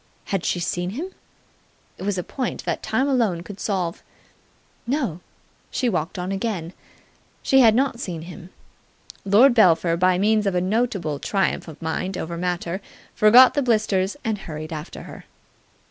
Had she seen him? It was a point that time alone could solve. No! She walked on again. She had not seen him. Lord Belpher, by means of a notable triumph of mind over matter, forgot the blisters and hurried after her.